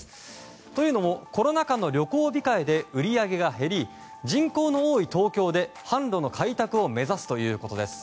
というのもコロナ禍の旅行控えで売り上げが減り人口の多い東京で販路の開拓を目指すということです。